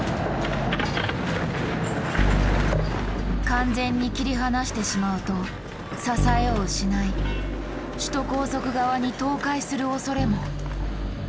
完全に切り離してしまうと支えを失い首都高速側に倒壊するおそれも。